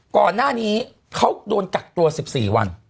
ก่อนหน้านี้เขาโดนกักตัว๑๔วัน